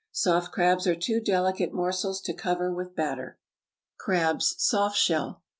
Soft crabs are too delicate morsels to cover with batter. =Crabs, Soft shell.